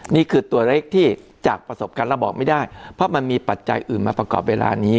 นี่คือตัวเล็กที่จากประสบการณ์เราบอกไม่ได้เพราะมันมีปัจจัยอื่นมาประกอบเวลานี้